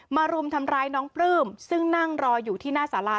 รุมทำร้ายน้องปลื้มซึ่งนั่งรออยู่ที่หน้าสารา